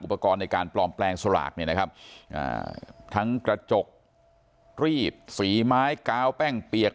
อุปกรณ์ในการปลอมแปลงสลากทั้งกระจกรีบฝีไม้กาวแป้งเปียก